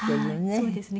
そうですよね。